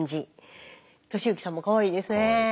敏之さんもかわいいですね。